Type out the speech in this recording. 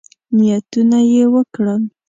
نیتونه یې وکړل.